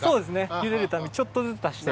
茹でるたびにちょっとずつ足して。